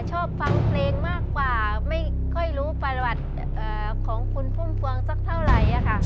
ชอบฟังเพลงมากกว่าไม่ค่อยรู้ประวัติของคุณพุ่มพวงสักเท่าไหร่ค่ะ